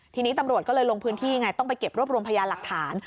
ทีนี้ตำรวจก็เลยลงพื้นที่ไงต้องไปเก็บรวบรวมพยานหลักฐาน